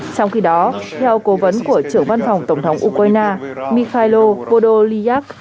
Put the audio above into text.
trong khi đó theo cố vấn của trưởng văn phòng tổng thống ukraine mikhailo podolyak